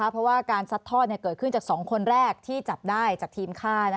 เพราะว่าการซัดทอดเกิดขึ้นจาก๒คนแรกที่จับได้จากทีมฆ่า